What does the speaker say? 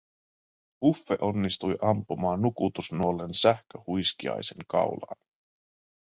Uffe onnistui ampumaan nukutusnuolen sähköhuiskiaisen kaulaan.